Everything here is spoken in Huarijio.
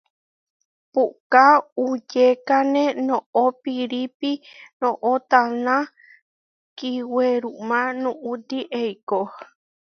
Puʼká uʼyékane noʼó piirípi noʼó taná kiwerumá nuʼuti eikó.